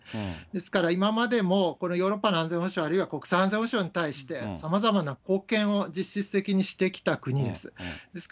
ですから今までも、このヨーロッパの安全保障、あるいは国際安全保障に対して、さまざまな貢献を実質的にしてきた国です。